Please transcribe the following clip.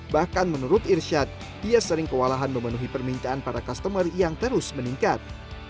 bahkan menurut irsyad dia sering kewalahan memenuhi permintaan para customer yang terus meningkat